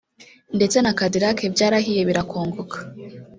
ndetse na Cadillac byarahiye birakongoka